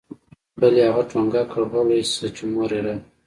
بل يې هغه ټونګه كړ غلى سه چې مور يې راغله.